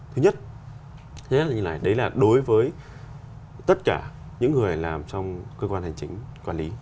thứ nhất đấy là đối với tất cả những người làm trong cơ quan hành chính quản lý